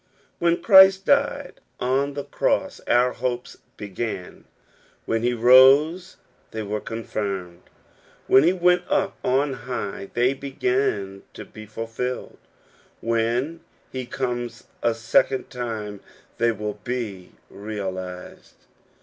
When Christ died on the cross our hopes began, when he rose they were confirmed, when he went up on high they began to be fulfilled, when he comes a second time they will be realized.